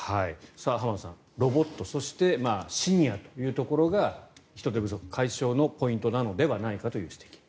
浜田さん、ロボットそしてシニアというところが人手不足解消のポイントなのではないかという指摘。